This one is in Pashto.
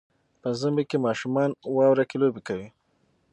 په ژمي کې ماشومان واوره کې لوبې کوي.